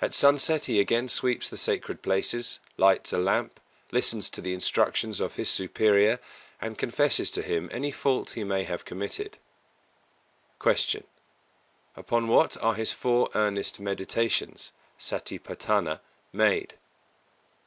At sunset he again sweeps the sacred places, lights a lamp, listens to the instructions of his superior, and confesses to him any fault he may have committed. 272. Q. _Upon what are his four earnest meditations (Sati patthāna) made?